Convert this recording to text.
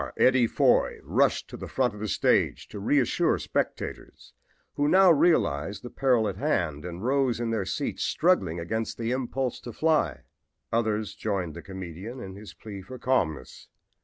Eddie Foy rushed to the front of the stage to reassure the spectators, who now realized the peril at hand and rose in their seats struggling against the impulse to fly. Others joined the comedian in his plea for calmness.